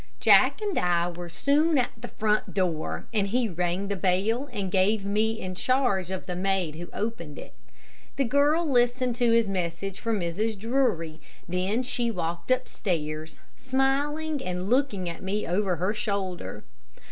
Jack and I were soon at the front door, and he rang the bell and gave me in charge of the maid who opened it. The girl listened to his message for Mrs. Drury, then she walked upstairs, smiling and looking at me over her shoulder.